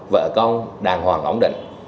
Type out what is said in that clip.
vợ con đàng hoàng ổn định